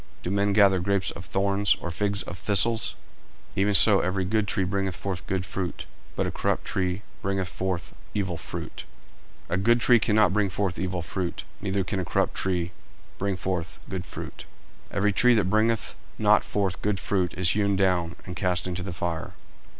Do men gather grapes of thorns, or figs of thistles? 40:007:017 Even so every good tree bringeth forth good fruit; but a corrupt tree bringeth forth evil fruit. 40:007:018 A good tree cannot bring forth evil fruit, neither can a corrupt tree bring forth good fruit. 40:007:019 Every tree that bringeth not forth good fruit is hewn down, and cast into the fire.